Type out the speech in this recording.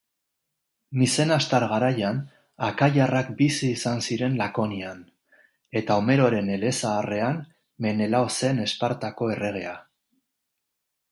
Mizenastar garaian, akaiarrak bizi izan ziren Lakonian, eta Homeroren elezaharrean Menelao zen Espartako erregea